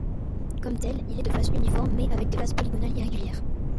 Comme tel, il est de faces uniformes mais avec des faces polygonales irrégulières.